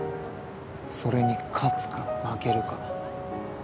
それに勝つか負けるか。